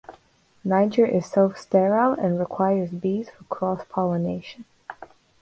Niger is self-sterile and requires bees for cross pollination.